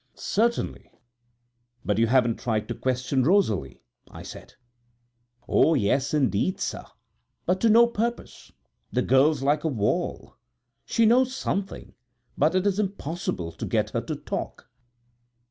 "Certainly; but you haven't tried to question Rosalie?" I said. "Oh, yes, indeed, sir; but to no purpose! the girl's like a wall. She knows something, but it is impossible to get her to talk."